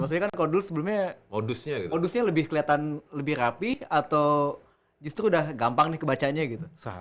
maksudnya kan kalau dulu sebelumnya modusnya lebih kelihatan lebih rapi atau justru udah gampang nih kebacanya gitu